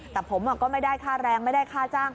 แต่ผมก็ไม่ได้ค่าแรงไม่ได้ค่าจ้าง